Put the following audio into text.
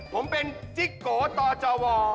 ผมเป็นจิโกต่อจาวอ